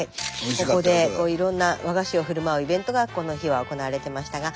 ここでいろんな和菓子を振る舞うイベントがこの日は行われてましたが。